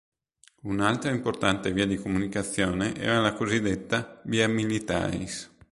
Un'altra importante via di comunicazione era la cosiddetta Via Militaris.